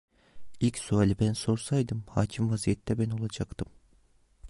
İlk suali ben sorsaydım, hakim vaziyette ben olacaktım.